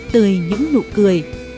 tươi những nụ cười